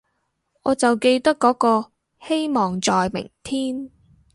我就記得嗰個，希望在明天